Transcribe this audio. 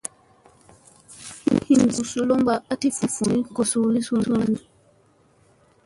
Hin suu zolomba a ti fundi ko suu li sundadi.